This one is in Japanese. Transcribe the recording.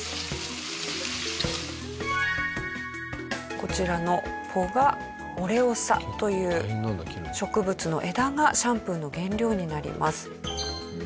こちらのポガ・オレオサという植物の枝がシャンプーの原料になります。